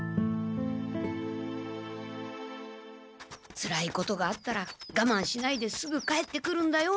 「つらいことがあったらがまんしないですぐ帰ってくるんだよ」